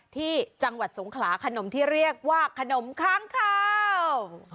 ที่จังหวัดสงขลาขนมที่เรียกว่าขนมค้างคาว